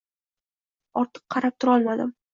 Ortiq qarab turolmadim.